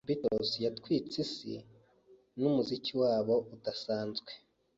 Beatles yatwitse isi numuziki wabo udasanzwe.